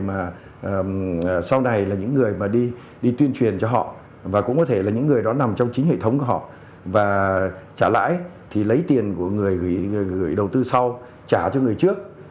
mà sau này là những người mà đi tuyên truyền cho họ và cũng có thể là những người đó nằm trong chính hệ thống của họ và trả lãi thì lấy tiền của người gửi đầu tư sau trả cho người trước